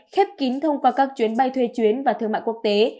khép kín thông qua các chuyến bay thuê chuyến và thương mại quốc tế